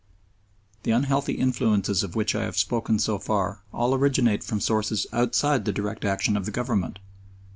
The unhealthy influences of which I have spoken so far all originate from sources outside the direct action of the Government.